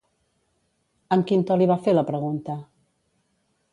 Amb quin to li va fer la pregunta?